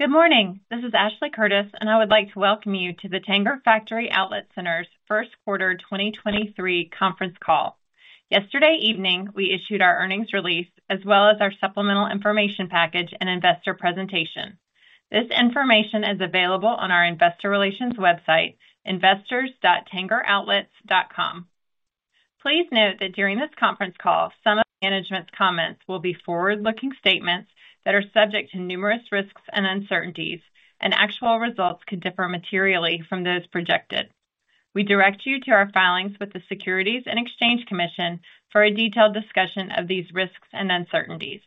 Good morning. This is Ashley Curtis. I would like to welcome you to the Tanger Factory Outlet Center's first quarter 2023 conference call. Yesterday evening, we issued our earnings release as well as our supplemental information package and investor presentation. This information is available on our investor relations website, investors.tangeroutlets.com. Please note that during this conference call, some of management's comments will be forward-looking statements that are subject to numerous risks and uncertainties. Actual results could differ materially from those projected. We direct you to our filings with the Securities and Exchange Commission for a detailed discussion of these risks and uncertainties.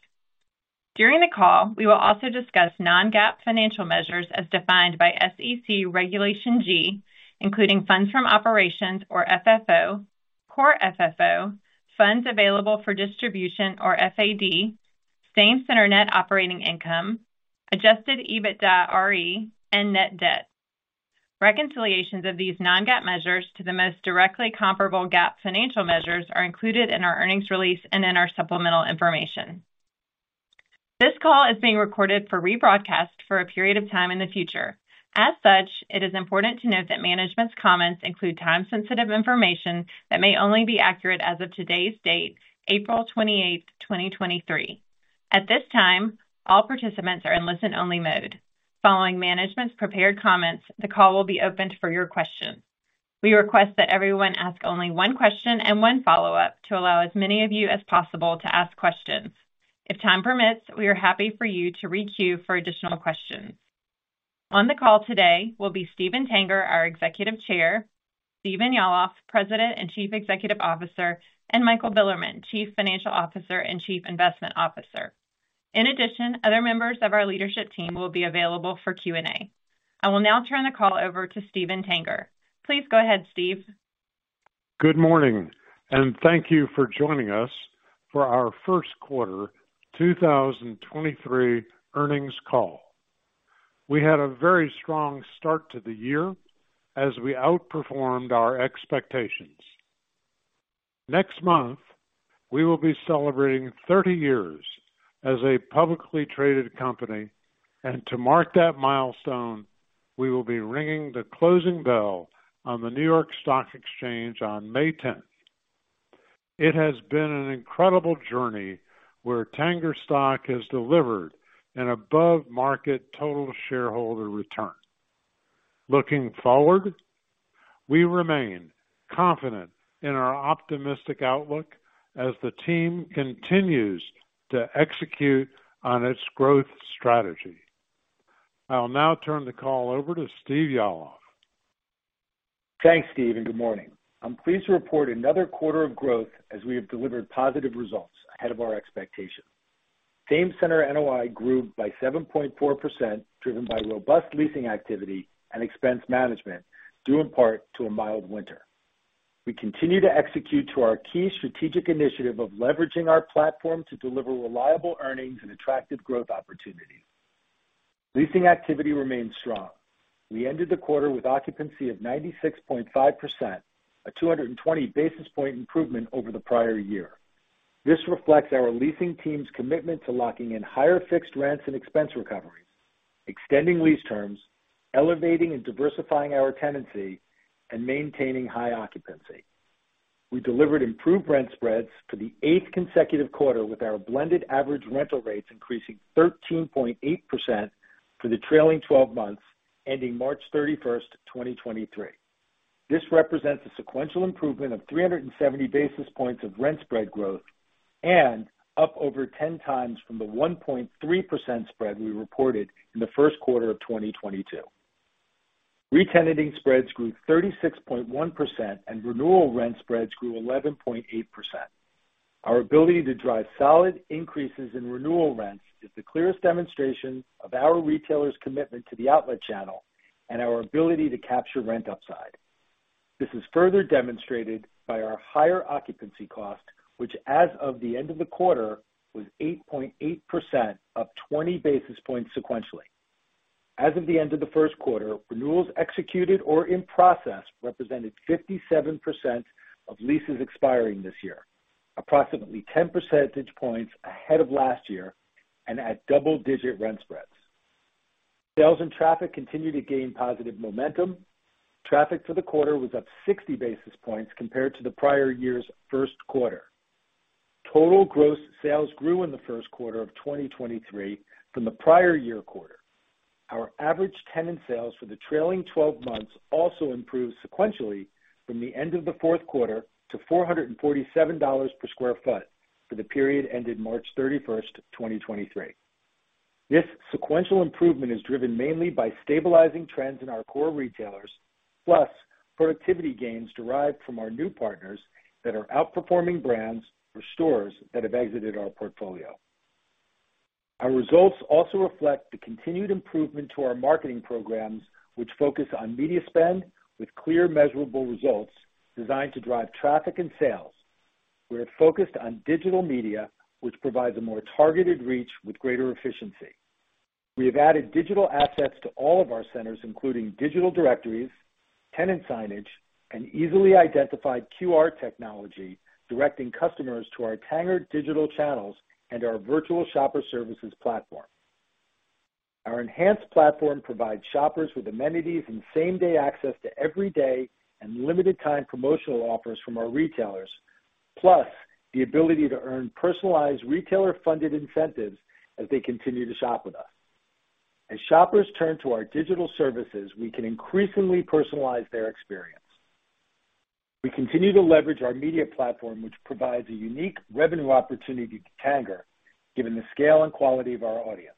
During the call, we will also discuss non-GAAP financial measures as defined by SEC Regulation G, including funds from operations or FFO, Core FFO, funds available for distribution or FAD, same-center net operating income, Adjusted EBITDAre, and net debt. Reconciliations of these non-GAAP measures to the most directly comparable GAAP financial measures are included in our earnings release and in our supplemental information. This call is being recorded for rebroadcast for a period of time in the future. As such, it is important to note that management's comments include time-sensitive information that may only be accurate as of today's date, April 28, 2023. At this time, all participants are in listen-only mode. Following management's prepared comments, the call will be opened for your questions. We request that everyone ask only one question and one follow-up to allow as many of you as possible to ask questions. If time permits, we are happy for you to re-queue for additional questions. On the call today will be Steven Tanger, our Executive Chair, Stephen Yalof, President and Chief Executive Officer, and Michael Bilerman, Chief Financial Officer and Chief Investment Officer. In addition, other members of our leadership team will be available for Q&A. I will now turn the call over to Steven Tanger. Please go ahead, Steve. Good morning, and thank you for joining us for our first quarter 2023 earnings call. We had a very strong start to the year as we outperformed our expectations. Next month, we will be celebrating 30 years as a publicly traded company, and to mark that milestone, we will be ringing the closing bell on the New York Stock Exchange on May 10th. It has been an incredible journey where Tanger stock has delivered an above-market total shareholder return. Looking forward, we remain confident in our optimistic outlook as the team continues to execute on its growth strategy. I'll now turn the call over to Steve Yalof. Thanks, Steve. Good morning. I'm pleased to report another quarter of growth as we have delivered positive results ahead of our expectations. Same-center NOI grew by 7.4%, driven by robust leasing activity and expense management, due in part to a mild winter. We continue to execute to our key strategic initiative of leveraging our platform to deliver reliable earnings and attractive growth opportunities. Leasing activity remains strong. We ended the quarter with occupancy of 96.5%, a 220 basis point improvement over the prior year. This reflects our leasing team's commitment to locking in higher fixed rents and expense recovery, extending lease terms, elevating and diversifying our tenancy, and maintaining high occupancy. We delivered improved rent spreads for the eighth consecutive quarter, with our blended average rental rates increasing 13.8% for the trailing 12 months, ending March 31st, 2023. This represents a sequential improvement of 370 basis points of rent spread growth and up over 10x from the 1.3% spread we reported in the 1st quarter of 2022. Re-tenanting spreads grew 36.1%, renewal rent spreads grew 11.8%. Our ability to drive solid increases in renewal rents is the clearest demonstration of our retailers' commitment to the outlet channel and our ability to capture rent upside. This is further demonstrated by our higher occupancy cost, which as of the end of the quarter, was 8.8%, up 20 basis points sequentially. As of the end of the first quarter, renewals executed or in process represented 57% of leases expiring this year, approximately 10 percentage points ahead of last year and at double-digit rent spreads. Sales and traffic continue to gain positive momentum. Traffic for the quarter was up 60 basis points compared to the prior year's first quarter. Total gross sales grew in the first quarter of 2023 from the prior year quarter. Our average tenant sales for the trailing 12 months also improved sequentially from the end of the fourth quarter to $447 per sq ft for the period ended March 31st, 2023. This sequential improvement is driven mainly by stabilizing trends in our core retailers, plus productivity gains derived from our new partners that are outperforming brands for stores that have exited our portfolio. Our results also reflect the continued improvement to our marketing programs, which focus on media spend with clear, measurable results designed to drive traffic and sales. We are focused on digital media, which provides a more targeted reach with greater efficiency. We have added digital assets to all of our centers, including digital directories, tenant signage and easily identified QR technology directing customers to our Tanger digital channels and our virtual shopper services platform. Our enhanced platform provides shoppers with amenities and same-day access to every day and limited time promotional offers from our retailers, plus the ability to earn personalized retailer-funded incentives as they continue to shop with us. As shoppers turn to our digital services, we can increasingly personalize their experience. We continue to leverage our media platform, which provides a unique revenue opportunity to Tanger, given the scale and quality of our audience.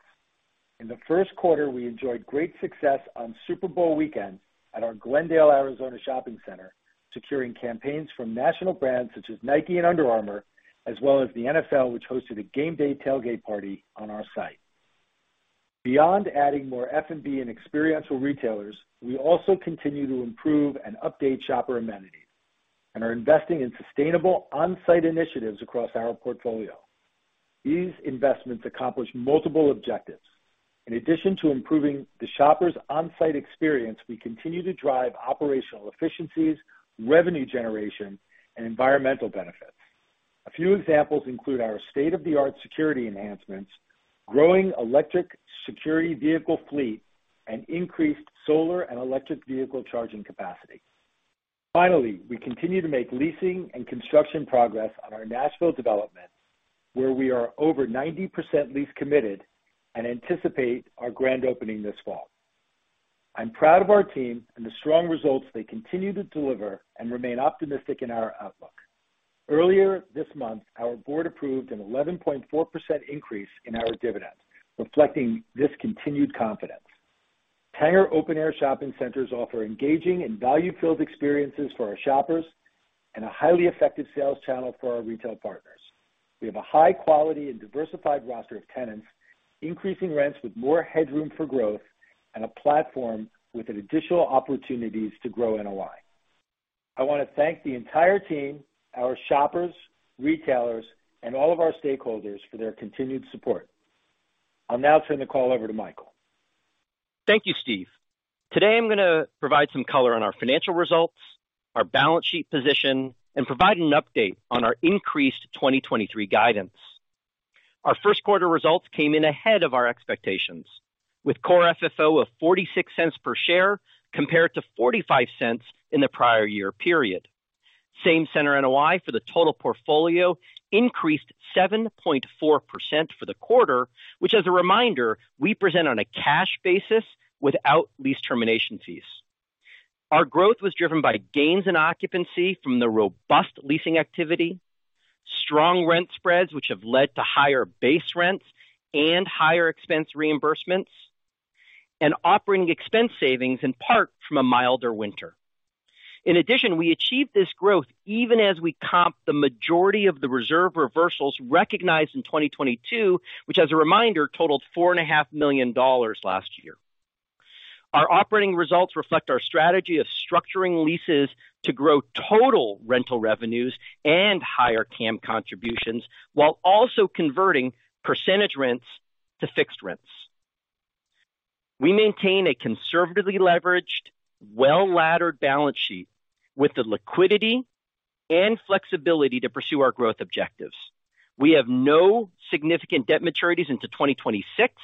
In the first quarter, we enjoyed great success on Super Bowl weekend at our Glendale, Arizona Shopping Center, securing campaigns from national brands such as Nike and Under Armour, as well as the NFL, which hosted a game day tailgate party on our site. Beyond adding more F&B and experiential retailers, we also continue to improve and update shopper amenities and are investing in sustainable on-site initiatives across our portfolio. These investments accomplish multiple objectives. In addition to improving the shoppers on-site experience, we continue to drive operational efficiencies, revenue generation, and environmental benefits. A few examples include our state-of-the-art security enhancements, growing electric security vehicle fleet, and increased solar and electric vehicle charging capacity. Finally, we continue to make leasing and construction progress on our Nashville development, where we are over 90% lease committed and anticipate our grand opening this fall. I'm proud of our team and the strong results they continue to deliver and remain optimistic in our outlook. Earlier this month, our board approved an 11.4% increase in our dividend, reflecting this continued confidence. Tanger open-air shopping centers offer engaging and value-filled experiences for our shoppers and a highly effective sales channel for our retail partners. We have a high quality and diversified roster of tenants, increasing rents with more headroom for growth, and a platform with additional opportunities to grow NOI. I want to thank the entire team, our shoppers, retailers, and all of our stakeholders for their continued support. I'll now turn the call over to Michael. Thank you, Steve. Today, I'm going to provide some color on our financial results, our balance sheet position, and provide an update on our increased 2023 guidance. Our first quarter results came in ahead of our expectations, with Core FFO of $0.46 per share compared to $0.45 in the prior year period. Same-center NOI for the total portfolio increased 7.4% for the quarter, which as a reminder, we present on a cash basis without lease termination fees. Our growth was driven by gains in occupancy from the robust leasing activity, strong rent spreads which have led to higher base rents and higher expense reimbursements, and operating expense savings in part from a milder winter. In addition, we achieved this growth even as we comp the majority of the reserve reversals recognized in 2022, which as a reminder totaled $4.5 million dollars last year. Our operating results reflect our strategy of structuring leases to grow total rental revenues and higher CAM contributions while also converting percentage rents to fixed rents. We maintain a conservatively leveraged, well-laddered balance sheet with the liquidity and flexibility to pursue our growth objectives. We have no significant debt maturities into 2026,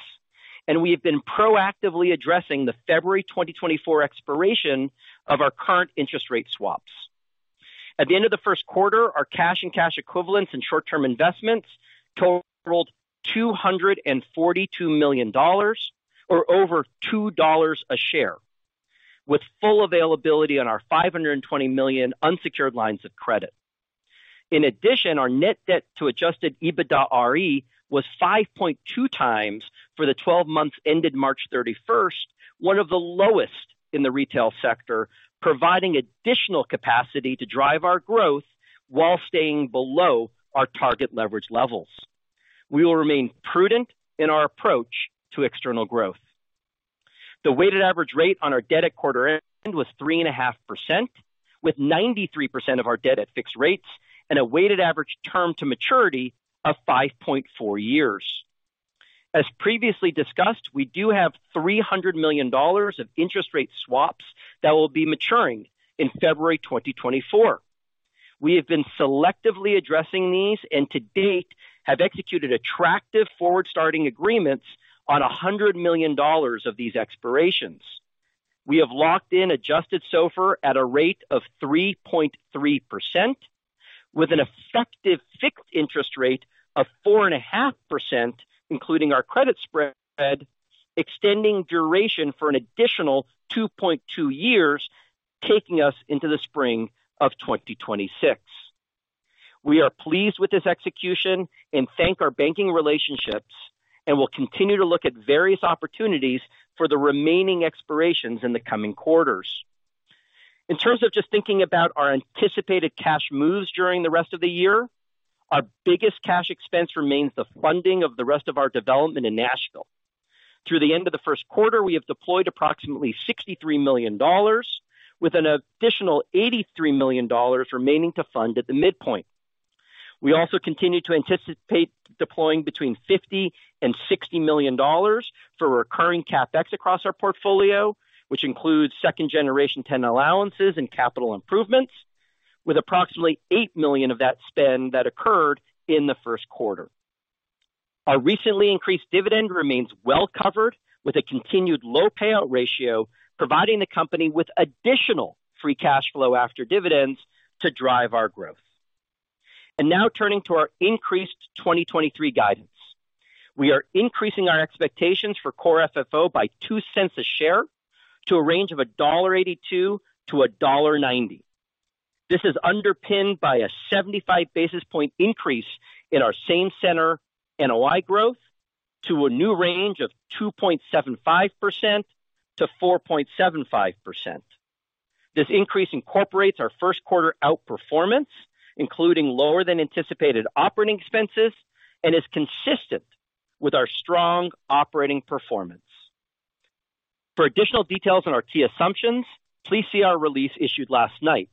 and we have been proactively addressing the February 2024 expiration of our current interest rate swaps. At the end of the first quarter, our cash and cash equivalents and short-term investments totaled $242 million or over $2 a share, with full availability on our $520 million unsecured lines of credit. Our net debt to Adjusted EBITDAre was 5.2x for the 12 months ended March 31st, one of the lowest in the retail sector, providing additional capacity to drive our growth while staying below our target leverage levels. We will remain prudent in our approach to external growth. The weighted average rate on our debt at quarter end was 3.5%, with 93% of our debt at fixed rates and a weighted average term to maturity of 5.4 years. As previously discussed, we do have $300 million of interest rate swaps that will be maturing in February 2024. We have been selectively addressing these and to date have executed attractive forward-starting agreements on $100 million of these expirations. We have locked in adjusted SOFR at a rate of 3.3% with an effective fixed interest rate of 4.5%, including our credit spread, extending duration for an additional 2.2 years, taking us into the spring of 2026. We are pleased with this execution and thank our banking relationships. We'll continue to look at various opportunities for the remaining expirations in the coming quarters. In terms of just thinking about our anticipated cash moves during the rest of the year, our biggest cash expense remains the funding of the rest of our development in Nashville. Through the end of the first quarter, we have deployed approximately $63 million, with an additional $83 million remaining to fund at the midpoint. We also continue to anticipate deploying between $50 million and $60 million for recurring CapEx across our portfolio, which includes second generation tenant allowances and capital improvements, with approximately $8 million of that spend that occurred in the first quarter. Our recently increased dividend remains well covered with a continued low payout ratio, providing the company with additional free cash flow after dividends to drive our growth. Now turning to our increased 2023 guidance. We are increasing our expectations for Core FFO by $0.02 a share to a range of $1.82-$1.90. This is underpinned by a 75 basis point increase in our same-center NOI growth to a new range of 2.75%-4.75%. This increase incorporates our first quarter outperformance, including lower than anticipated operating expenses, and is consistent with our strong operating performance. For additional details on our key assumptions, please see our release issued last night.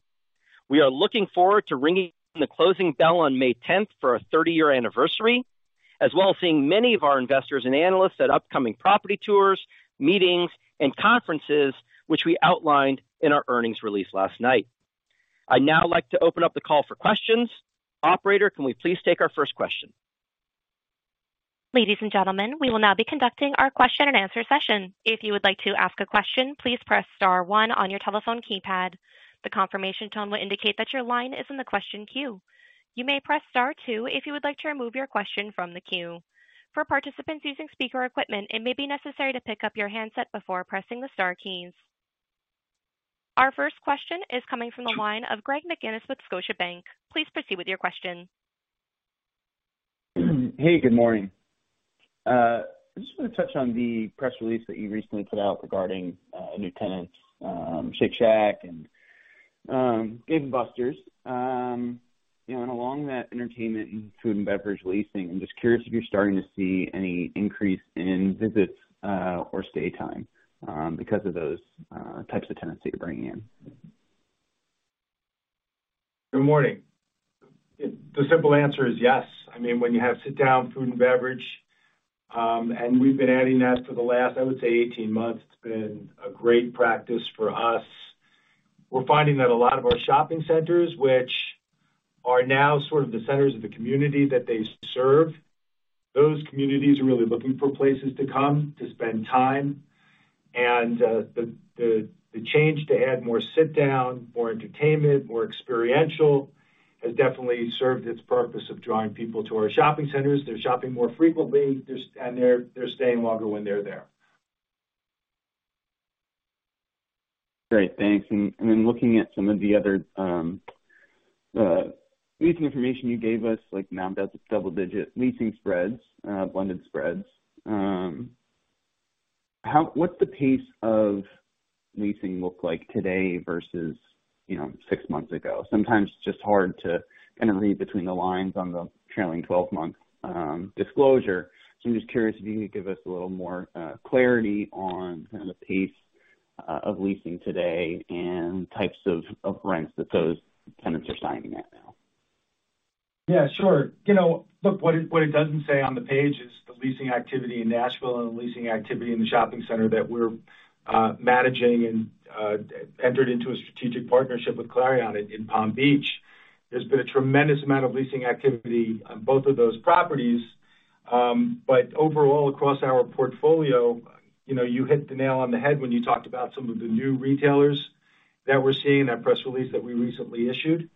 We are looking forward to ringing the closing bell on May tenth for our 30-year anniversary, as well as seeing many of our investors and analysts at upcoming property tours, meetings and conferences, which we outlined in our earnings release last night. I'd now like to open up the call for questions. Operator, can we please take our first question? Ladies and gentlemen, we will now be conducting our question-and-answer session. If you would like to ask a question, please press star one on your telephone keypad. The confirmation tone will indicate that your line is in the question queue. You may press star two if you would like to remove your question from the queue. For participants using speaker equipment, it may be necessary to pick up your handset before pressing the star keys. Our first question is coming from the line of Greg McGinniss with Scotiabank. Please proceed with your question. Hey, good morning. I just want to touch on the press release that you recently put out regarding a new tenant, Shake Shack and Dave & Buster's. You know, along that entertainment and food and beverage leasing, I'm just curious if you're starting to see any increase in visits or stay time because of those types of tenants that you're bringing in? Good morning. The simple answer is yes. I mean, when you have sit down food and beverage, we've been adding that for the last, I would say 18 months, it's been a great practice for us. We're finding that a lot of our shopping centers, which are now sort of the centers of the community that they serve, those communities are really looking for places to come to spend time. The change to add more sit down, more entertainment, more experiential has definitely served its purpose of drawing people to our shopping centers. They're shopping more frequently, they're staying longer when they're there. Great. Thanks. Looking at some of the other leasing information you gave us, like mounted double-digit leasing spreads, blended spreads, what's the pace of leasing look like today versus, you know, six months ago? Sometimes it's just hard to kind of read between the lines on the trailing 12-month disclosure. I'm just curious if you can give us a little more clarity on kind of the pace of leasing today and types of rents that those tenants are signing at now. Yeah, sure. You know, look, what it doesn't say on the page is the leasing activity in Nashville and the leasing activity in the shopping center that we're managing and entered into a strategic partnership with Clarion in Palm Beach. There's been a tremendous amount of leasing activity on both of those properties. Overall, across our portfolio, you know, you hit the nail on the head when you talked about some of the new retailers that we're seeing in that press release that we recently issued.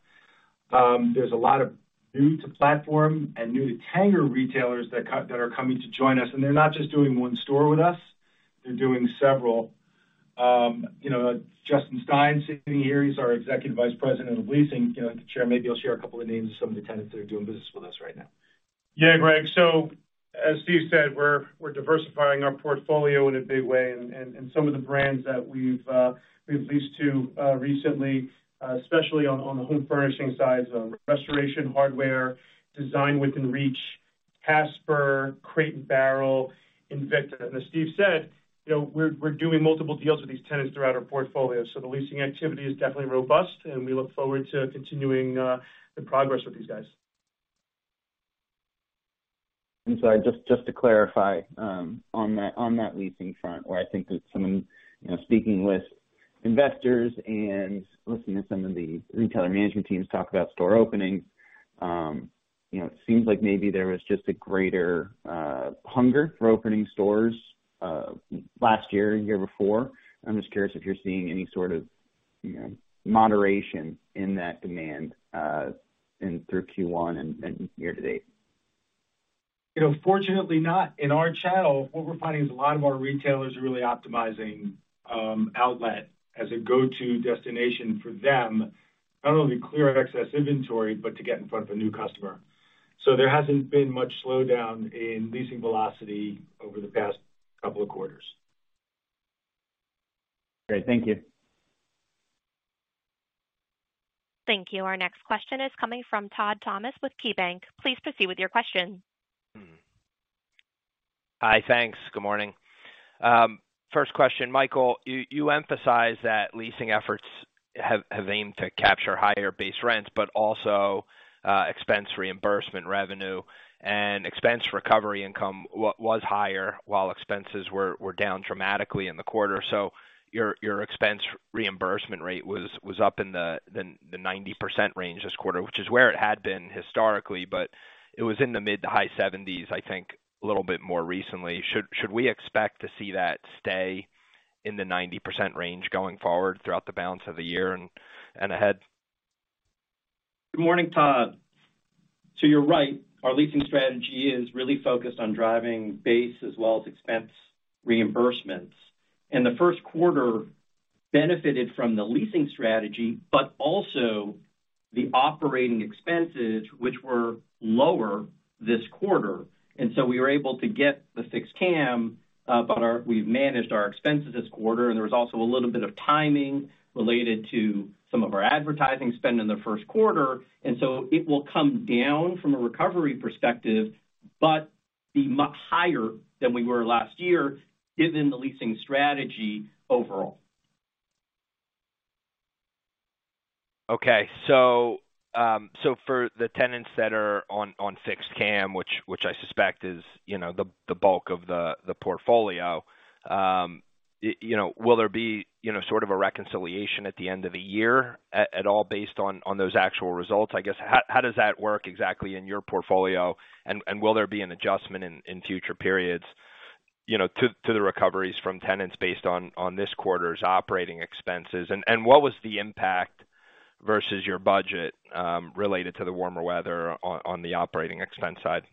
There's a lot of new to platform and new to Tanger retailers that are coming to join us, and they're not just doing one store with us, they're doing several. You know, Justin Stein, sitting here, he's our Executive Vice President of Leasing. You know, maybe he'll share a couple of names of some of the tenants that are doing business with us right now. Yeah, Greg. As Steve said, we're diversifying our portfolio in a big way. Some of the brands that we've leased to recently, especially on the home furnishing side, Restoration Hardware, Design Within Reach, Casper, Crate & Barrel, Invicta. As Steve said, you know, we're doing multiple deals with these tenants throughout our portfolio. The leasing activity is definitely robust, and we look forward to continuing the progress with these guys. I'm sorry, just to clarify, on that leasing front, where I think that some of, you know, speaking with investors and listening to some of the retailer management teams talk about store openings, you know, it seems like maybe there was just a greater hunger for opening stores last year and year before. I'm just curious if you're seeing any sort of, you know, moderation in that demand in through Q1 and year to date. You know, fortunately not. In our channel, what we're finding is a lot of our retailers are really optimizing outlet as a go-to destination for them, not only to clear out excess inventory, but to get in front of a new customer. There hasn't been much slowdown in leasing velocity over the past couple of quarters. Great. Thank you. Thank you. Our next question is coming from Todd Thomas with KeyBanc. Please proceed with your question. Hi. Thanks. Good morning. First question, Michael, you emphasize that leasing efforts have aimed to capture higher base rents, but also, expense reimbursement revenue and expense recovery income was higher while expenses were down dramatically in the quarter. Your expense reimbursement rate was up in the 90% range this quarter, which is where it had been historically, but it was in the mid to high 70s, I think, a little bit more recently. Should we expect to see that stay in the 90% range going forward throughout the balance of the year and ahead? Good morning, Todd. You're right. Our leasing strategy is really focused on driving base as well as expense reimbursements. In the first quarter benefited from the leasing strategy, but also the operating expenses, which were lower this quarter. We were able to get the fixed CAM, but we've managed our expenses this quarter, and there was also a little bit of timing related to some of our advertising spend in the first quarter. It will come down from a recovery perspective, but be higher than we were last year given the leasing strategy overall. Okay. For the tenants that are on fixed CAM, which I suspect is, you know, the bulk of the portfolio, you know, will there be, you know, sort of a reconciliation at the end of the year at all based on those actual results? I guess, how does that work exactly in your portfolio? Will there be an adjustment in future periods, you know, to the recoveries from tenants based on this quarter's operating expenses? What was the impact versus your budget related to the warmer weather on the operating expense side?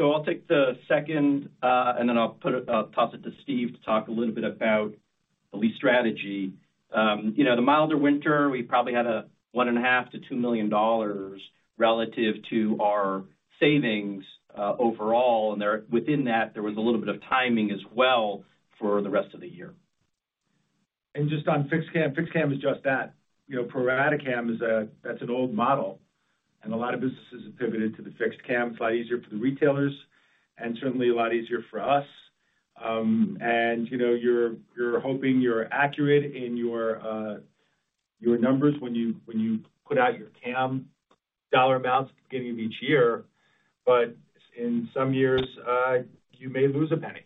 I'll take the second, and then I'll toss it to Steve to talk a little bit about the lease strategy. You know, the milder winter, we probably had a $1.5 million-$2 million relative to our savings overall. Within that, there was a little bit of timing as well for the rest of the year. Just on fixed CAM. Fixed CAM is just that. You know, pro rata CAM is that's an old model, and a lot of businesses have pivoted to the fixed CAM. It's a lot easier for the retailers and certainly a lot easier for us. You know, you're hoping you're accurate in your numbers when you, when you put out your CAM dollar amounts at the beginning of each year. In some years, you may lose $0.01.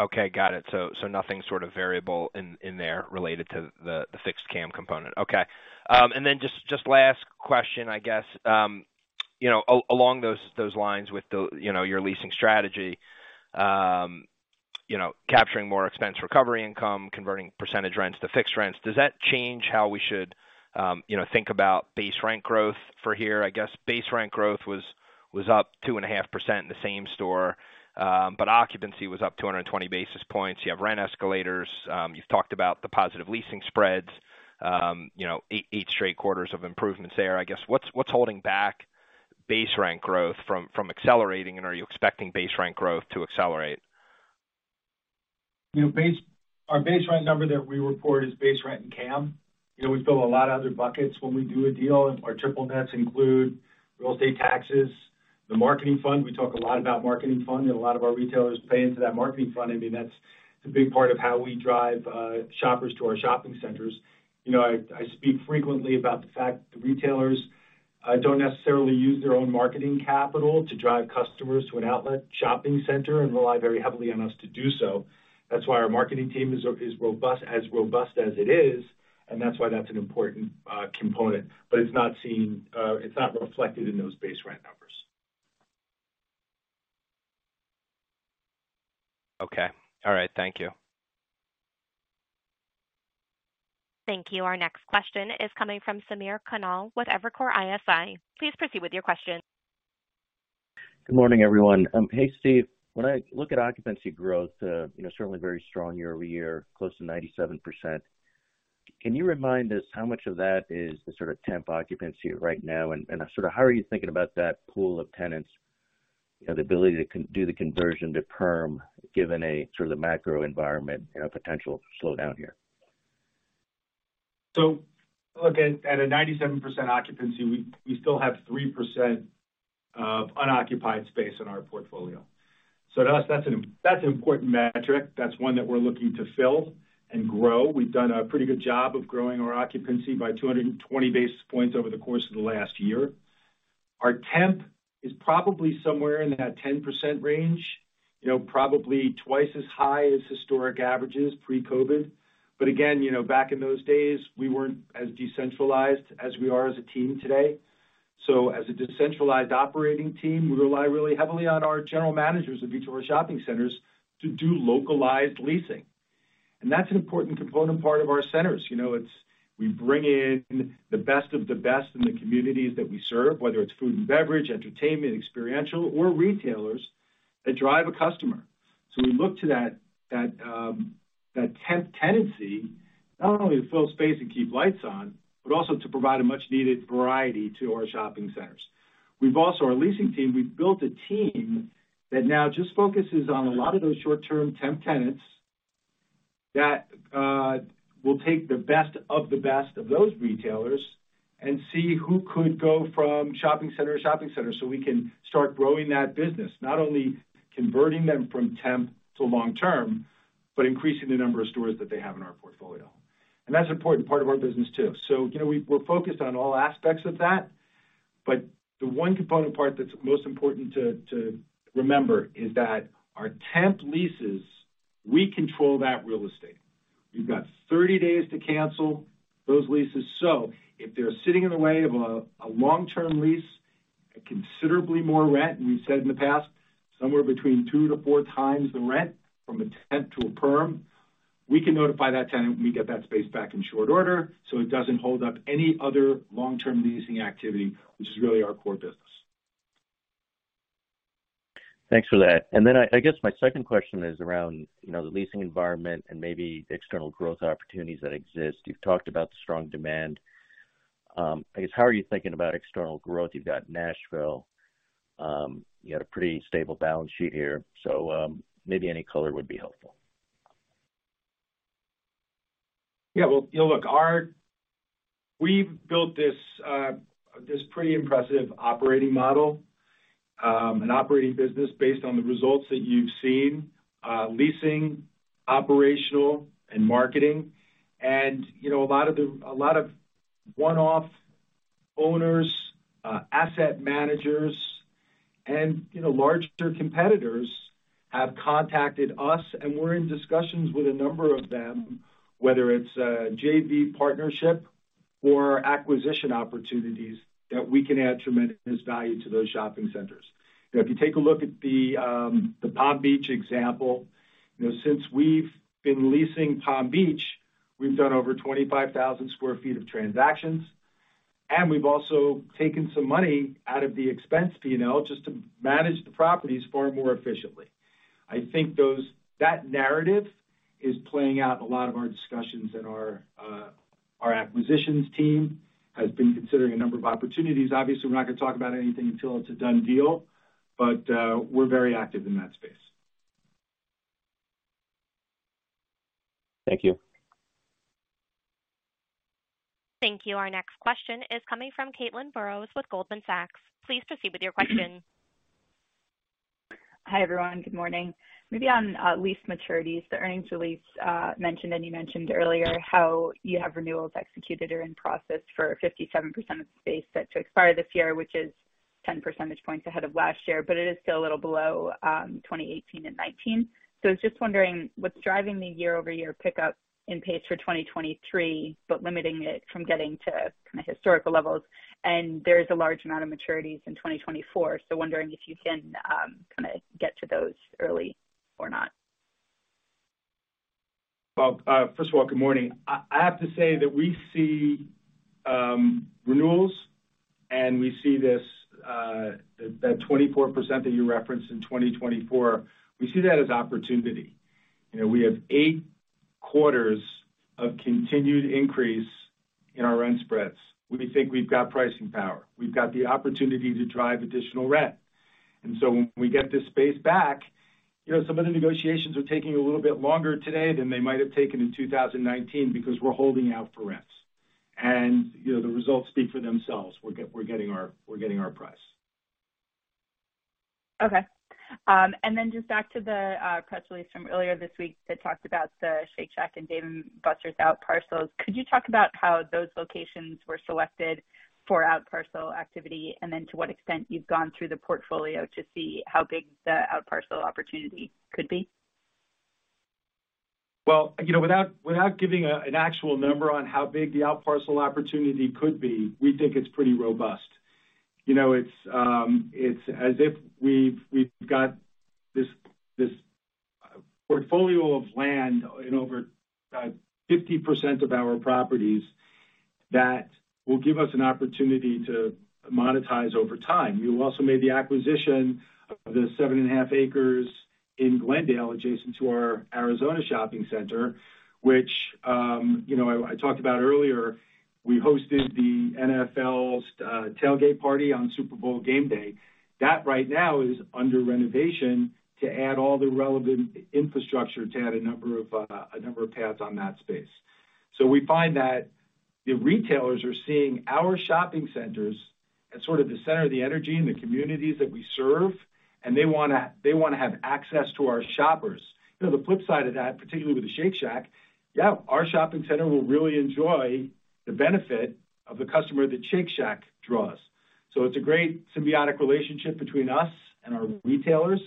Okay. Got it. Nothing sort of variable in there related to the fixed CAM component. Okay. Just last question, I guess. you know, along those lines with the, you know, your leasing strategy, you know, capturing more expense recovery income, converting percentage rents to fixed rents, does that change how we should, you know, think about base rent growth for here? I guess base rent growth was up 2.5% in the same store, but occupancy was up 220 basis points. You have rent escalators. You've talked about the positive leasing spreads. you know, eight straight quarters of improvements there. I guess, what's holding back base rent growth from accelerating, and are you expecting base rent growth to accelerate? You know, our base rent number that we report is base rent and CAM. You know, we fill a lot of other buckets when we do a deal. Our triple nets include real estate taxes, the marketing fund. We talk a lot about marketing fund, and a lot of our retailers pay into that marketing fund. I mean, that's a big part of how we drive shoppers to our shopping centers. You know, I speak frequently about the fact that retailers don't necessarily use their own marketing capital to drive customers to an outlet shopping center and rely very heavily on us to do so. That's why our marketing team is robust, as robust as it is, and that's why that's an important component. It's not reflected in those base rent numbers. Okay. All right. Thank you. Thank you. Our next question is coming from Samir Khanal with Evercore ISI. Please proceed with your question. Good morning, everyone. hey, Steve. When I look at occupancy growth, you know, certainly very strong year-over-year, close to 97%. Can you remind us how much of that is the sort of temp occupancy right now? How are you thinking about that pool of tenants, you know, the ability to do the conversion to perm given a sort of the macro environment, you know, potential slowdown here? Look, at a 97% occupancy, we still have 3% of unoccupied space in our portfolio. To us, that's an, that's an important metric. That's one that we're looking to fill and grow. We've done a pretty good job of growing our occupancy by 220 basis points over the course of the last year. Our temp is probably somewhere in that 10% range, you know, probably twice as high as historic averages pre-COVID. Again, you know, back in those days, we weren't as decentralized as we are as a team today. As a decentralized operating team, we rely really heavily on our general managers of each of our shopping centers to do localized leasing. That's an important component part of our centers. You know, we bring in the best of the best in the communities that we serve, whether it's food and beverage, entertainment, experiential or retailers that drive a customer. We look to that temp tenancy not only to fill space and keep lights on, but also to provide a much needed variety to our shopping centers. We've also, our leasing team, we've built a team that now just focuses on a lot of those short term temp tenants that will take the best of the best of those retailers and see who could go from shopping center to shopping center, so we can start growing that business. Not only converting them from temp to long term, but increasing the number of stores that they have in our portfolio. That's an important part of our business too. You know, we're focused on all aspects of that. The one component part that's most important to remember is that our temp leases, we control that real estate. We've got 30 days to cancel those leases. If they're sitting in the way of a long-term lease at considerably more rent, and we've said in the past, somewhere between two to four times the rent from a temp to a perm, we can notify that tenant, and we get that space back in short order, so it doesn't hold up any other long-term leasing activity, which is really our core business. Thanks for that. I guess my second question is around, you know, the leasing environment and maybe external growth opportunities that exist. You've talked about the strong demand. I guess, how are you thinking about external growth? You've got Nashville. You got a pretty stable balance sheet here, so, maybe any color would be helpful. Yeah. Well, look, we've built this pretty impressive operating model, an operating business based on the results that you've seen, leasing, operational, and marketing. You know, a lot of one-off owners, asset managers, and, you know, larger competitors have contacted us, and we're in discussions with a number of them, whether it's a JV partnership or acquisition opportunities that we can add tremendous value to those shopping centers. You know, if you take a look at the Palm Beach example, you know, since we've been leasing Palm Beach, we've done over 25 sq ft of transactions, and we've also taken some money out of the expense P&L just to manage the properties far more efficiently. I think that narrative is playing out in a lot of our discussions, and our acquisitions team has been considering a number of opportunities. Obviously, we're not going to talk about anything until it's a done deal, but we're very active in that space. Thank you. Thank you. Our next question is coming from Caitlin Burrows with Goldman Sachs. Please proceed with your question. Hi, everyone. Good morning. Maybe on lease maturities. The earnings release mentioned, and you mentioned earlier how you have renewals executed or in process for 57% of the space set to expire this year, which is 10 percentage points ahead of last year, but it is still a little below 2018 and 2019. I was just wondering what's driving the year-over-year pickup in pace for 2023, but limiting it from getting to kind of historical levels. There's a large amount of maturities in 2024. Wondering if you can kind of get to those early or not. Well, first of all, good morning. I have to say that we see renewals, and we see this, that 24% that you referenced in 2024, we see that as opportunity. You know, we have 8 quarters of continued increase in our rent spreads. We think we've got pricing power. We've got the opportunity to drive additional rent. When we get this space back, you know, some of the negotiations are taking a little bit longer today than they might have taken in 2019 because we're holding out for rents. You know, the results speak for themselves. We're getting our price. Okay. Just back to the press release from earlier this week that talked about the Shake Shack and Dave & Buster's outparcels. Could you talk about how those locations were selected for outparcel activity, and then to what extent you've gone through the portfolio to see how big the outparcel opportunity could be? Well, you know, without giving an actual number on how big the outparcel opportunity could be, we think it's pretty robust. You know, it's as if we've got this portfolio of land in over 50% of our properties that will give us an opportunity to monetize over time. You also made the acquisition of the 7.5 acres in Glendale, adjacent to our Arizona shopping center, which, you know, I talked about earlier. We hosted the NFL's tailgate party on Super Bowl game day. That right now is under renovation to add all the relevant infrastructure to add a number of pads on that space. We find that the retailers are seeing our shopping centers as sort of the center of the energy in the communities that we serve, and they wanna have access to our shoppers. You know, the flip side of that, particularly with the Shake Shack, yeah, our shopping center will really enjoy the benefit of the customer that Shake Shack draws. It's a great symbiotic relationship between us and our retailers.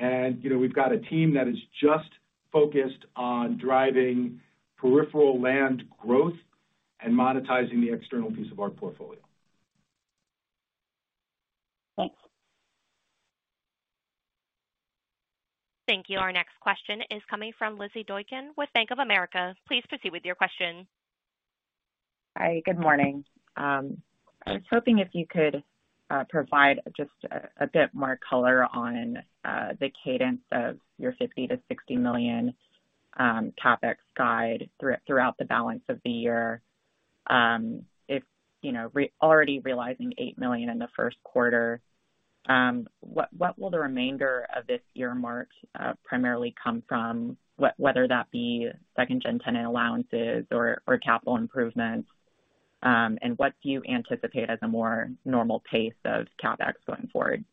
You know, we've got a team that is just focused on driving peripheral land growth and monetizing the external piece of our portfolio. Thanks. Thank you. Our next question is coming from Lizzie Doikin with Bank of America. Please proceed with your question. Hi, good morning. I was hoping if you could provide just a bit more color on the cadence of your $50 million-$60 million CapEx guide throughout the balance of the year. If, you know, already realizing $8 million in the first quarter, what will the remainder of this year mark primarily come from, whether that be second-generation tenant allowances or capital improvements? What do you anticipate as a more normal pace of CapEx going forward?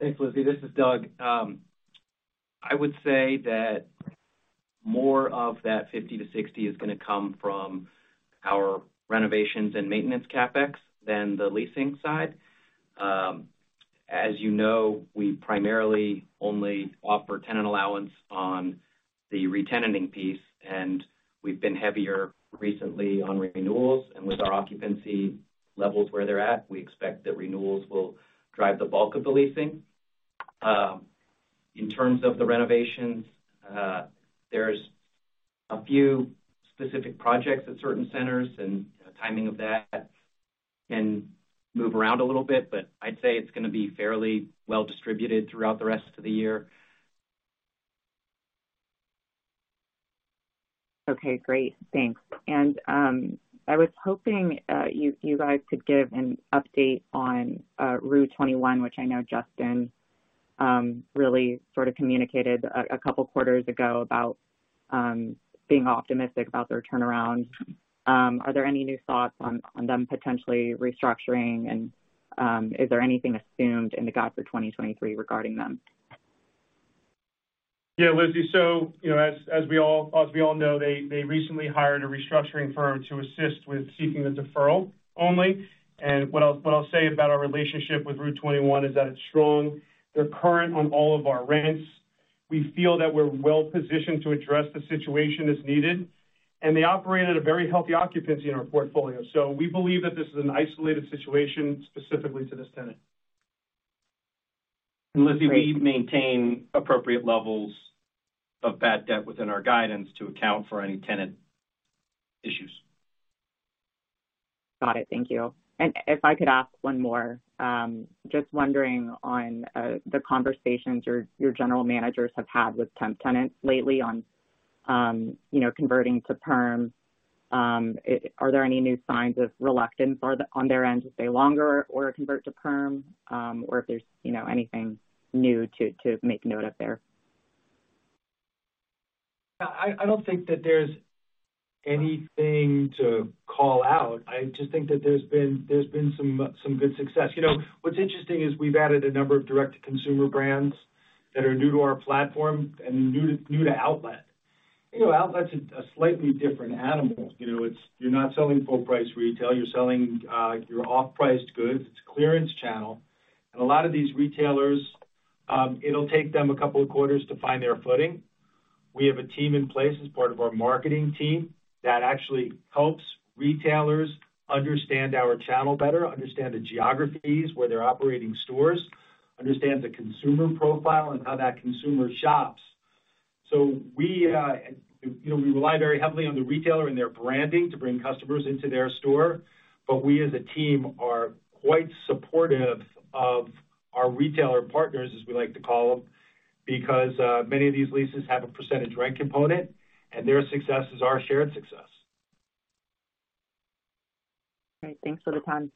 Thanks, Lizzie. This is Doug. I would say that more of that $50 million-$60 million is going to come from our renovations and maintenance CapEx than the leasing side. As you know, we primarily only offer tenant allowance on the re-tenanting piece, and we've been heavier recently on renewals. With our occupancy levels where they're at, we expect that renewals will drive the bulk of the leasing. In terms of the renovations, there's a few specific projects at certain centers, the timing of that can move around a little bit, but I'd say it's going to be fairly well distributed throughout the rest of the year. Okay, great. Thanks. I was hoping you guys could give an update on rue21, which I know Justin really sort of communicated a couple quarters ago about being optimistic about their turnaround. Are there any new thoughts on them potentially restructuring and is there anything assumed in the guide for 2023 regarding them? Yeah, Lizzie. You know, as we all know, they recently hired a restructuring firm to assist with seeking the deferral only. What I'll say about our relationship with rue21 is that it's strong. They're current on all of our rents. We feel that we're well-positioned to address the situation as needed, and they operate at a very healthy occupancy in our portfolio. We believe that this is an isolated situation specifically to this tenant. Great. Lizzie, we maintain appropriate levels of bad debt within our guidance to account for any tenant issues. Got it. Thank you. If I could ask one more. Just wondering on the conversations your general managers have had with temp tenants lately on, you know, converting to perm. Are there any new signs of reluctance on their end to stay longer or convert to perm, or if there's, you know, anything new to make note of there? I don't think that there's anything to call out. I just think that there's been some good success. You know, what's interesting is we've added a number of direct-to-consumer brands that are new to our platform and new to Outlet. You know, Outlet's a slightly different animal. You know, you're not selling full price retail, you're selling your off-priced goods. It's clearance channel. A lot of these retailers, it'll take them 2 quarters to find their footing. We have a team in place as part of our marketing team that actually helps retailers understand our channel better, understand the geographies where they're operating stores, understand the consumer profile and how that consumer shops. We, you know, we rely very heavily on the retailer and their branding to bring customers into their store. We as a team are quite supportive of our retailer partners, as we like to call them, because many of these leases have a percentage rent component, and their success is our shared success. All right. Thanks for the time.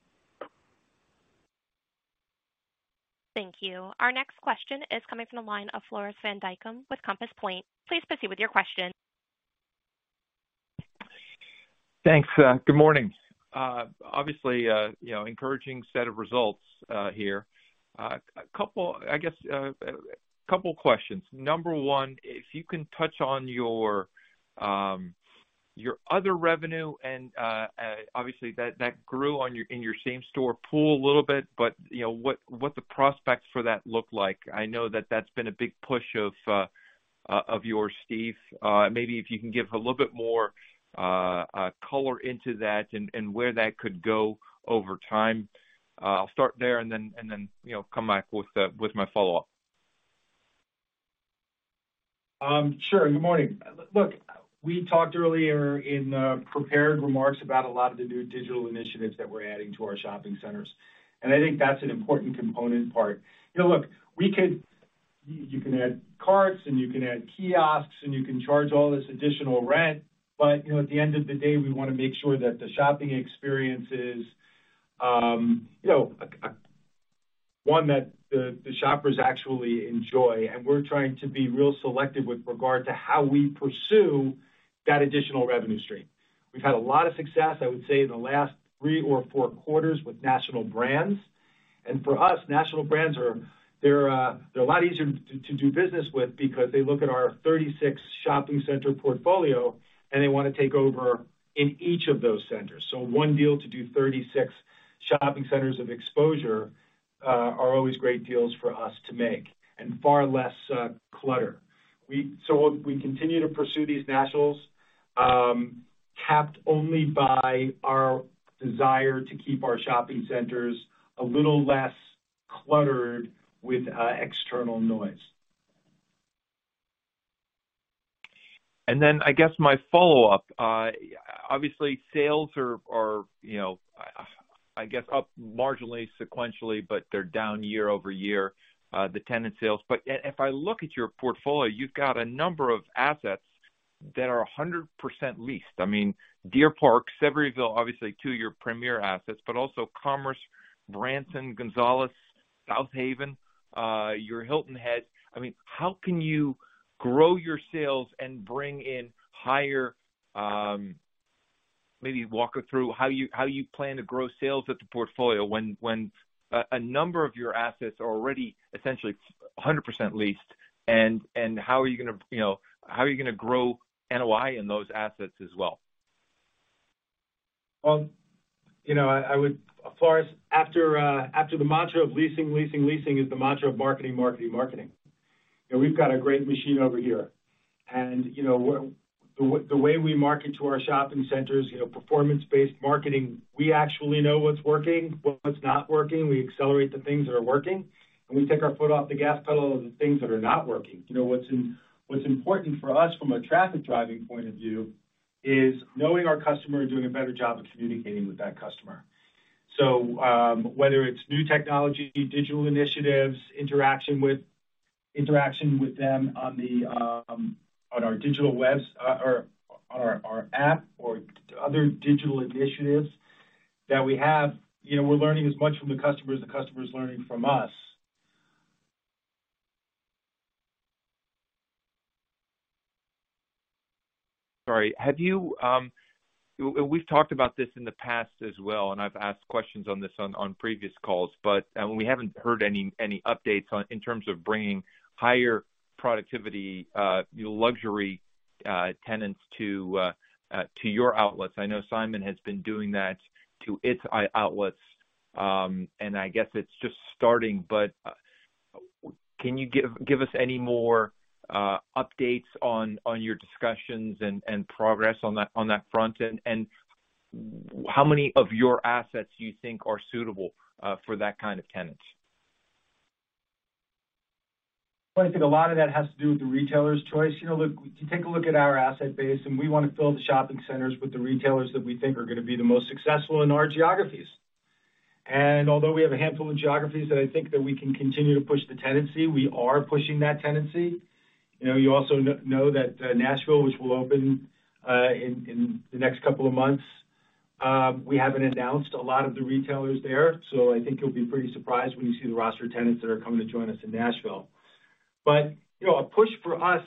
Thank you. Our next question is coming from the line of Floris van Dijkum with Compass Point. Please proceed with your question. Thanks. Good morning. Obviously, you know, encouraging set of results here. A couple, I guess, a couple questions. Number one, if you can touch on your other revenue and obviously that grew on your, in your same store pool a little bit. You know, what the prospects for that look like? I know that that's been a big push of yours, Steve. Maybe if you can give a little bit more color into that and where that could go over time. I'll start there and then, you know, come back with my follow-up. Sure. Good morning. Look, we talked earlier in prepared remarks about a lot of the new digital initiatives that we're adding to our shopping centers, and I think that's an important component part. You know, look, you can add carts and you can add kiosks and you can charge all this additional rent, but, you know, at the end of the day, we wanna make sure that the shopping experience is, you know, one that the shoppers actually enjoy. We're trying to be real selective with regard to how we pursue that additional revenue stream. We've had a lot of success, I would say, in the last three or four quarters with national brands. For us, national brands are, they're a lot easier to do business with because they look at our 36 shopping center portfolio, and they wanna take over in each of those centers. 1 deal to do 36 shopping centers of exposure are always great deals for us to make and far less clutter. We continue to pursue these nationals, capped only by our desire to keep our shopping centers a little less cluttered with external noise. I guess my follow-up. Obviously sales are, I guess, up marginally sequentially, but they're down year-over-year, the tenant sales. If I look at your portfolio, you've got a number of assets that are 100% leased. I mean, Deer Park, Sevierville, obviously two of your premier assets, but also Commerce, Branson, Gonzales, Southaven, your Hilton Head. I mean, how can you grow your sales and bring in higher... Maybe walk us through how you plan to grow sales at the portfolio when a number of your assets are already essentially 100% leased. How are you gonna, you know, grow NOI in those assets as well? Well, you know, as far as after the mantra of leasing, leasing is the mantra of marketing, marketing. You know, we've got a great machine over here. You know, the way we market to our shopping centers, you know, performance-based marketing. We actually know what's working, what's not working. We accelerate the things that are working, and we take our foot off the gas pedal of the things that are not working. You know, what's important for us from a traffic driving point of view is knowing our customer and doing a better job of communicating with that customer. Whether it's new technology, digital initiatives, interaction with them on the on our digital or our app or other digital initiatives that we have. You know, we're learning as much from the customers, the customers learning from us. Sorry. Have you We've talked about this in the past as well, and I've asked questions on this on previous calls, but we haven't heard any updates on in terms of bringing higher productivity, luxury, tenants to your outlets. I know Simon has been doing that to its outlets, and I guess it's just starting, but can you give us any more updates on your discussions and progress on that, on that front? How many of your assets you think are suitable for that kind of tenant? Well, I think a lot of that has to do with the retailer's choice. You know, look, if you take a look at our asset base, we wanna fill the shopping centers with the retailers that we think are gonna be the most successful in our geographies. Although we have a handful of geographies that I think that we can continue to push the tenancy, we are pushing that tenancy. You know, you also know that Nashville, which will open in the next couple of months, we haven't announced a lot of the retailers there, so I think you'll be pretty surprised when you see the roster of tenants that are coming to join us in Nashville. You know, a push for us,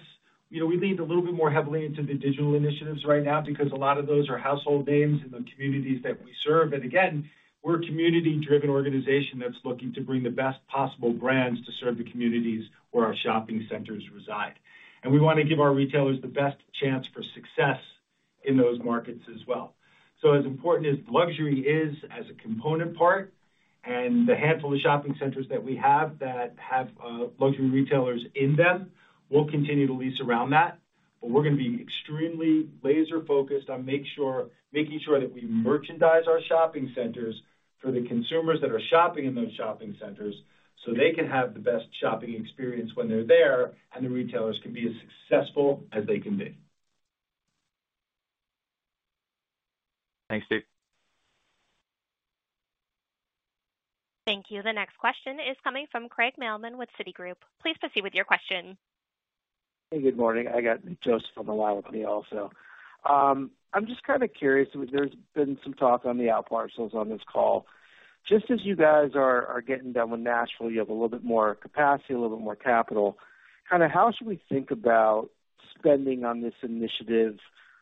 you know, we leaned a little bit more heavily into the digital initiatives right now because a lot of those are household names in the communities that we serve. We're a community-driven organization that's looking to bring the best possible brands to serve the communities where our shopping centers reside. We wanna give our retailers the best chance for success in those markets as well. As important as luxury is as a component part, and the handful of shopping centers that we have that have luxury retailers in them, we'll continue to lease around that. We're gonna be extremely laser-focused on making sure that we merchandise our shopping centers for the consumers that are shopping in those shopping centers, so they can have the best shopping experience when they're there, and the retailers can be as successful as they can be. Thanks, Steve. Thank you. The next question is coming from Craig Mailman with Citigroup. Please proceed with your question. Hey, good morning. I got Joseph on the line with me also. I'm just kind of curious. There's been some talk on the outparcels on this call. Just as you guys are getting done with Nashville, you have a little bit more capacity, a little bit more capital. Kinda how should we think about spending on this initiative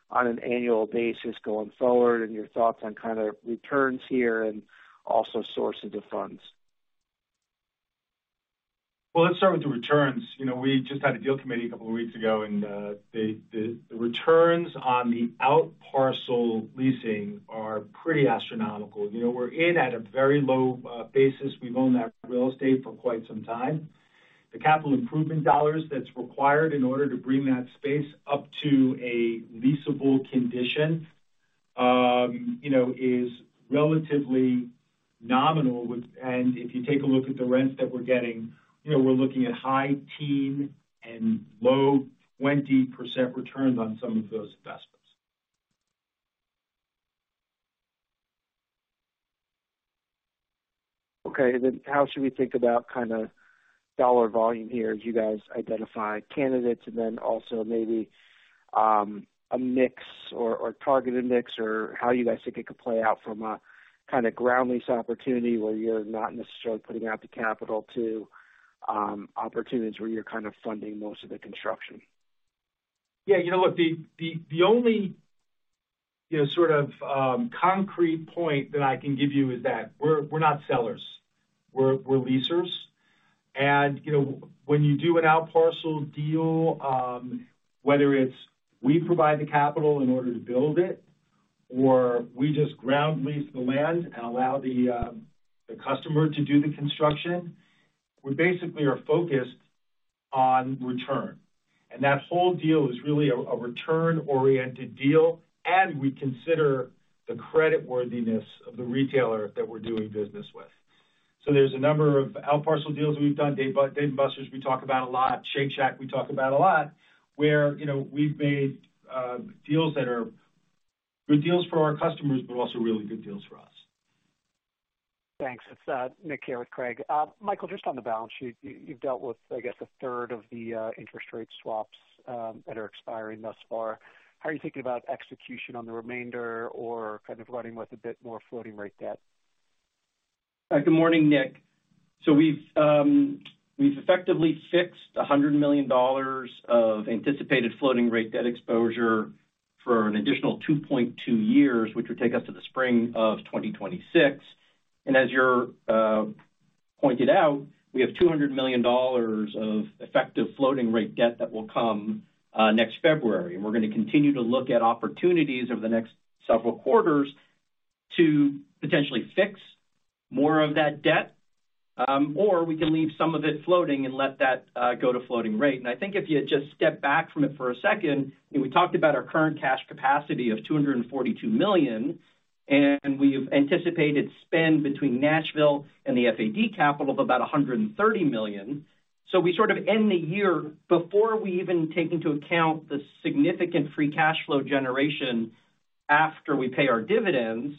on an annual basis going forward and your thoughts on kinda returns here and also sources of funds? Well, let's start with the returns. You know, we just had a deal committee a couple of weeks ago. The returns on the outparcel leasing are pretty astronomical. You know, we're in at a very low basis. We've owned that real estate for quite some time. The capital improvement dollars that's required in order to bring that space up to a leasable condition, you know, is relatively nominal. If you take a look at the rents that we're getting, you know, we're looking at high teen and low 20% returns on some of those investments. Okay. How should we think about kinda dollar volume here as you guys identify candidates and then also maybe a mix or targeted mix or how you guys think it could play out from a kinda ground lease opportunity where you're not necessarily putting out the capital to opportunities where you're kind of funding most of the construction? Yeah, you know what? The only, you know, sort of concrete point that I can give you is that we're not sellers. We're leasers. You know, when you do an outparcel deal, whether it's we provide the capital in order to build it, or we just ground lease the land and allow the customer to do the construction, we basically are focused on return. That whole deal is really a return-oriented deal, and we consider the credit worthiness of the retailer that we're doing business with. There's a number of outparcel deals we've done. Dave & Buster's, we talk about a lot. Shake Shack we talk about a lot, where you know, we've made deals that are good deals for our customers, but also really good deals for us. Thanks. It's Nick here with Craig. Michael, just on the balance sheet, you've dealt with, I guess, a third of the interest rate swaps that are expiring thus far. How are you thinking about execution on the remainder or kind of running with a bit more floating rate debt? Good morning, Nick. We've effectively fixed $100 million of anticipated floating rate debt exposure for an additional 2.2 years, which would take us to the spring of 2026. As you're pointed out, we have $200 million of effective floating rate debt that will come next February. We're gonna continue to look at opportunities over the next several quarters to potentially fix more of that debt, or we can leave some of it floating and let that go to floating rate. I think if you just step back from it for a second, and we talked about our current cash capacity of $242 million, and we've anticipated spend between Nashville and the FAD capital of about $130 million. We sort of end the year before we even take into account the significant free cash flow generation after we pay our dividends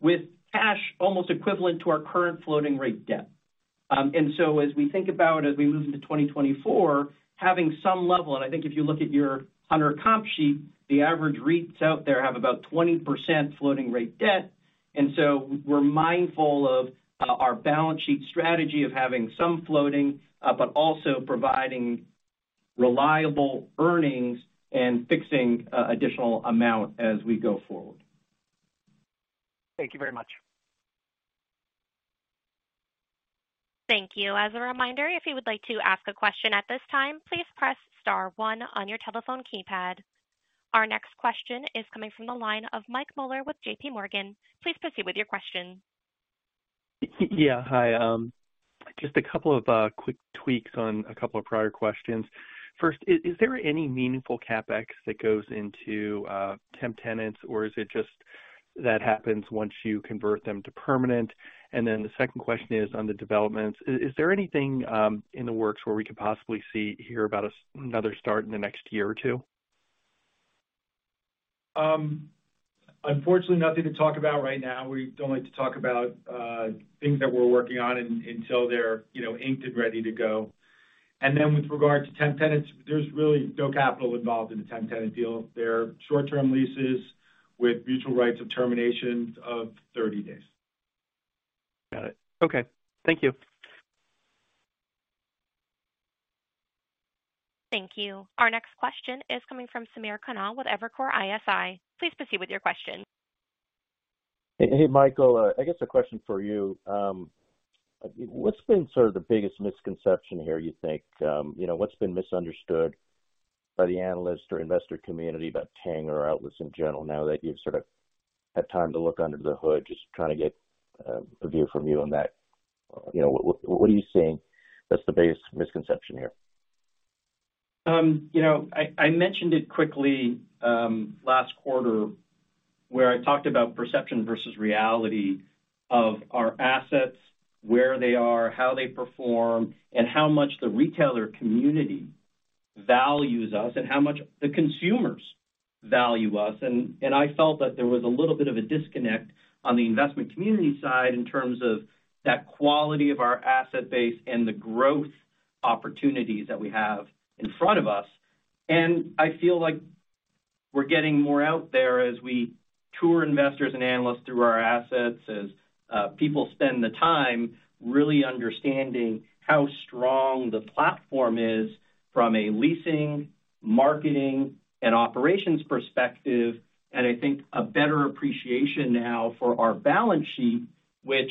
with cash almost equivalent to our current floating rate debt. As we think about as we move into 2024, having some level, and I think if you look at your hunter comp sheet, the average REITs out there have about 20% floating rate debt. We're mindful of our balance sheet strategy of having some floating, but also providing reliable earnings and fixing additional amount as we go forward. Thank you very much. Thank you. As a reminder, if you would like to ask a question at this time, please press star one on your telephone keypad. Our next question is coming from the line of Michael Mueller with JPMorgan. Please proceed with your question. Yeah, hi. Just a couple of quick tweaks on a couple of prior questions. First, is there any meaningful CapEx that goes into temp tenants, or is it just that happens once you convert them to permanent? The second question is on the developments. Is there anything in the works where we could possibly hear about another start in the next year or two? Unfortunately, nothing to talk about right now. We don't like to talk about things that we're working on until they're, you know, inked and ready to go. With regard to temp tenants, there's really no capital involved in the temp tenant deal. They're short-term leases with mutual rights of terminations of 30 days. Got it. Okay. Thank you. Thank you. Our next question is coming from Samir Khanal with Evercore ISI. Please proceed with your question. Hey, Michael, I guess a question for you. What's been sort of the biggest misconception here, you think? You know, what's been misunderstood by the analyst or investor community about Tanger Outlets in general now that you've sort of had time to look under the hood? Just trying to get a view from you on that. You know, what are you seeing that's the biggest misconception here? You know, I mentioned it quickly, last quarter where I talked about perception versus reality of our assets, where they are, how they perform, and how much the retailer community values us, and how much the consumers value us. I felt that there was a little bit of a disconnect on the investment community side in terms of that quality of our asset base and the growth opportunities that we have in front of us. I feel like we're getting more out there as we tour investors and analysts through our assets, as people spend the time really understanding how strong the platform is from a leasing, marketing, and operations perspective. I think a better appreciation now for our balance sheet, which,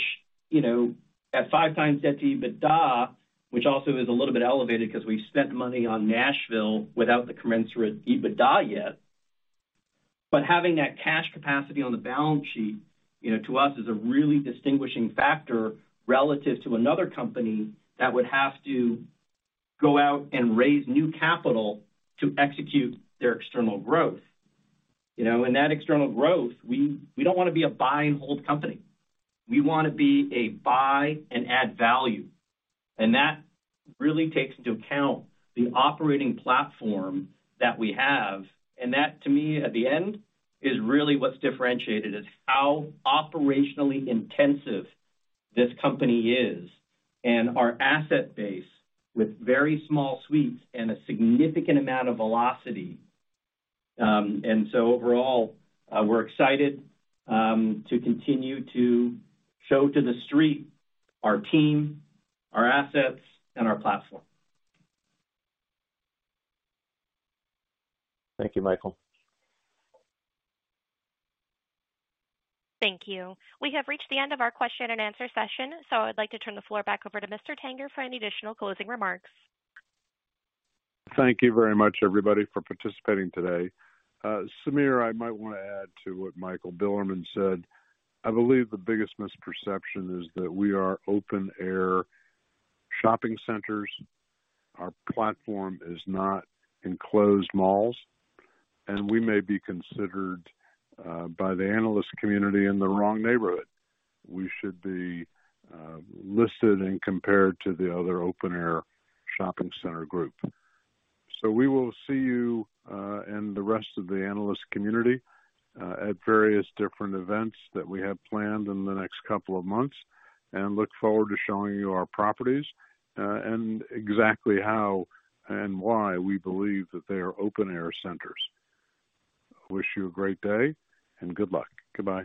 you know, at 5 times debt to EBITDA, which also is a little bit elevated because we spent money on Nashville without the commensurate EBITDA yet. Having that cash capacity on the balance sheet, you know, to us is a really distinguishing factor relative to another company that would have to go out and raise new capital to execute their external growth. That external growth, we don't wanna be a buy and hold company. We wanna be a buy and add value. That really takes into account the operating platform that we have. That, to me, at the end, is really what's differentiated. It's how operationally intensive this company is and our asset base with very small suites and a significant amount of velocity. Overall, we're excited to continue to show to the street our team, our assets, and our platform. Thank you, Michael. Thank you. We have reached the end of our question and answer session, so I'd like to turn the floor back over to Mr. Tanger for any additional closing remarks. Thank you very much, everybody, for participating today. Samir, I might wanna add to what Michael Bilerman said. I believe the biggest misperception is that we are open-air shopping centers. Our platform is not enclosed malls, and we may be considered by the analyst community in the wrong neighborhood. We should be listed and compared to the other open-air shopping center group. We will see you and the rest of the analyst community at various different events that we have planned in the next couple of months, and look forward to showing you our properties and exactly how and why we believe that they are open-air centers. I wish you a great day and good luck. Goodbye.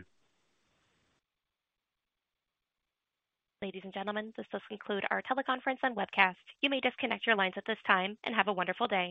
Ladies and gentlemen, this does conclude our teleconference on Webcast. You may disconnect your lines at this time and have a wonderful day.